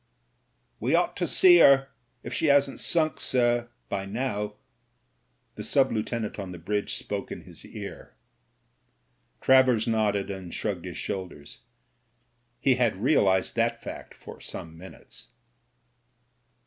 "We ought to see her, if she hasn't sunk, sir, by now.'' The sub lieutenant on the bridge spoke in his ear. Travers nodded and shrugged his shoulders. He had realised that fact for some minutes.